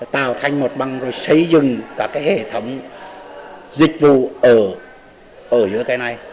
tạo thành một băng rồi xây dựng cả hệ thống dịch vụ ở dưới cây này